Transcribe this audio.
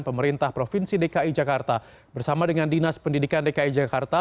pemerintah provinsi dki jakarta bersama dengan dinas pendidikan dki jakarta